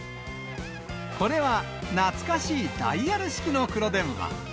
これは懐かしいダイヤル式の黒電話。